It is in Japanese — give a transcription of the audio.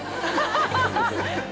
ハハハ